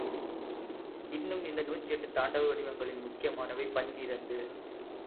இன்னும் இந்த நூற்று எட்டு தாண்டவ வடிவங்களில் முக்கியமானவை பன்னிரண்டு.